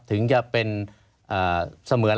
ถึงจะเป็นเสมือน